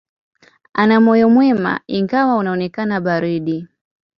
Ana moyo mwema, ingawa unaonekana baridi.